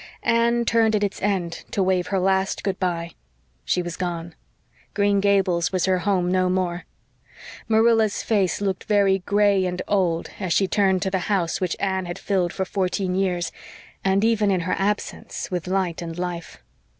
Anne turned at its end to wave her last good bye. She was gone Green Gables was her home no more; Marilla's face looked very gray and old as she turned to the house which Anne had filled for fourteen years, and even in her absence, with light and life.